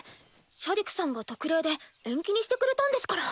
シャディクさんが特例で延期にしてくれたんですから。